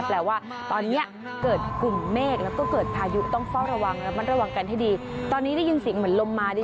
แปลว่าตอนนี้เกิดกลุ่มเมฆแล้วก็เกิดพายุต้องเฝ้าระวังระมัดระวังกันให้ดีตอนนี้ได้ยินเสียงเหมือนลมมาดิ